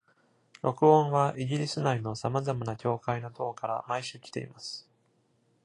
録音はイギリス内の様々な教会の塔から毎週来ています。